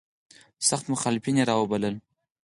سخت مخالفین را وبلل.